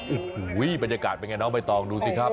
อุ้ยบรรยากาศเป็นยังไงนะอ้อมายตองดูสิครับ